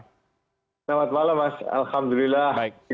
selamat malam mas alhamdulillah